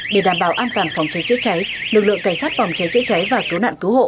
để đảm bảo an toàn phòng cháy chữa cháy lực lượng cảnh sát phòng cháy chữa cháy và cứu nạn cứu hộ